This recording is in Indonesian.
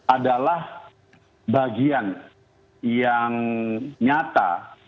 adalah bagian yang nyata